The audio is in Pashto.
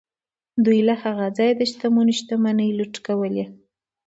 دوی به له هغه ځایه د شتمنو شتمنۍ لوټ کولې.